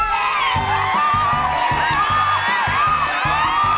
แพงกว่าแพงกว่า